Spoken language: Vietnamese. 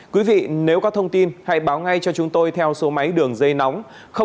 quý vị nếu có thông tin hãy báo ngay cho chúng tôi theo số máy đường dây nóng